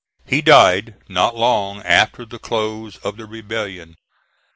He died not long after the close of the rebellion.